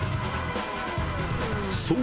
そう！